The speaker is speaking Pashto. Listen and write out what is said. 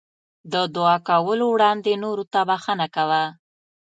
د دعا کولو وړاندې نورو ته بښنه کوه.